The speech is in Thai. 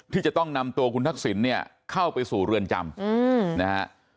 ที่จะต้องนำตัวคุณทักษิณเข้าไปสู่เรือนจำ